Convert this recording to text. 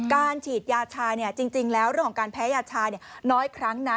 ฉีดยาชาจริงแล้วเรื่องของการแพ้ยาชาน้อยครั้งนะ